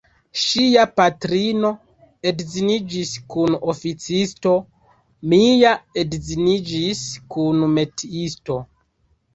Ŝia patrino edziniĝis kun oficisto, mia edziniĝis kun metiisto.